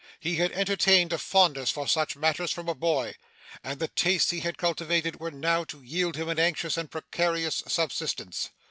He had entertained a fondness for such matters from a boy, and the tastes he had cultivated were now to yield him an anxious and precarious subsistence.